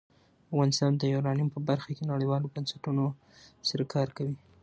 افغانستان د یورانیم په برخه کې نړیوالو بنسټونو سره کار کوي.